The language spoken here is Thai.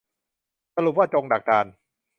สรุปว่าจงดักดาน